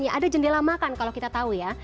ada jendela makan kalau kita tahu ya